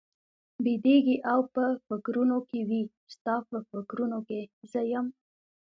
بېدېږي او په فکرونو کې وي، ستا په فکرونو کې زه یم؟